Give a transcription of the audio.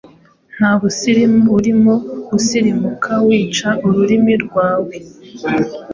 nta busilimu burimo gusilimuka wica ururimi rwawe,